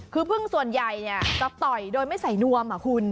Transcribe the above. คือพึ่งส่วนใหญ่เนี่ยก็ต่อยโดยไม่ใส่นวมอ่ะคุณ